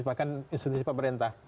bahkan institusi pemerintah